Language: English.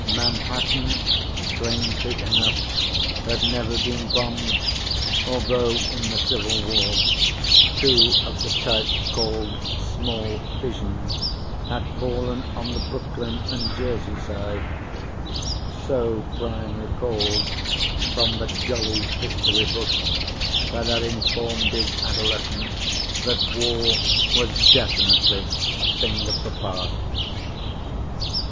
Manhattan, strangely enough, had never been bombed, although, in the Civil War, two of the type called "small fission" had fallen on the Brooklyn and Jersey sides so Brian recalled from the jolly history books that had informed his adolescence that war was definitely a thing of the past.